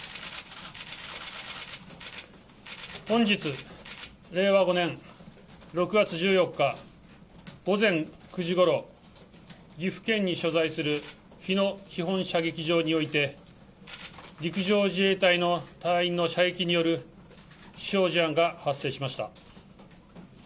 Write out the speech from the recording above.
本日令和５年６月１４日午前９時ごろ、岐阜県に所在する日野基本射撃場において、陸上自衛隊の隊員の射撃による死傷事案が発生しました。